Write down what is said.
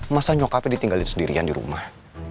masa nyokapnya ditinggalin sendirian di rumah